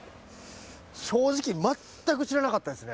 正直まったく知らなかったですね。